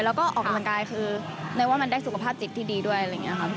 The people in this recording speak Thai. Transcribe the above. แล้วก็ออกกำลังกายคือนึกว่ามันได้สุขภาพจิตที่ดีด้วยอะไรอย่างนี้ครับ